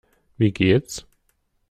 Wie geht's?